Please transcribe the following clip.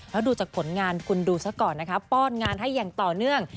แล้วดูจากผลงานคุณดูซะก่อนนะคะป้อนงานให้อย่างต่อเนื่อง